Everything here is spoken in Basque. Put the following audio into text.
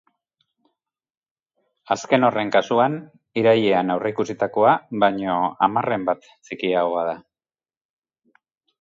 Azken horren kasuan, irailean aurreikusitakoa baino hamarren bat txikiagoa da.